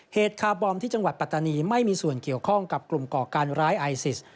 คาร์บอมที่จังหวัดปัตตานีไม่มีส่วนเกี่ยวข้องกับกลุ่มก่อการร้ายไอซิส